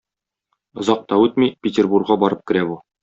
Озак та үтми, Петербурга барып керә бу.